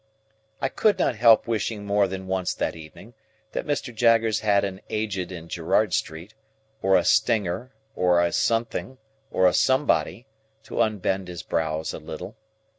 I could not help wishing more than once that evening, that Mr. Jaggers had had an Aged in Gerrard Street, or a Stinger, or a Something, or a Somebody, to unbend his brows a little.